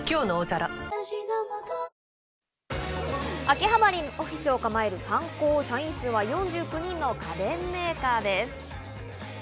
秋葉原にオフィスを構えるサンコー、社員数は４９人の家電メーカーです。